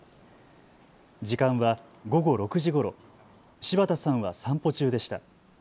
時間は午後６時ごろ、柴田さんは散歩中でした。